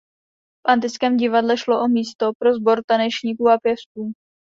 V antickém divadle šlo o místo pro sbor tanečníků a pěvců.